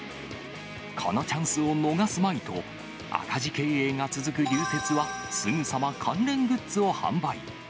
このチャンスを逃すまいと、赤字経営が続く流鉄は、すぐさま関連グッズを販売。